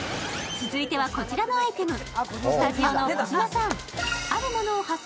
続いてはこちらのアイテム。は？